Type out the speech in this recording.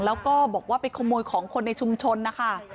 แล้วก็บอกว่าไปขโมยของคนในชุมชนนะคะ